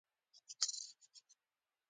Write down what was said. خټکی له رڼا سره مینه لري.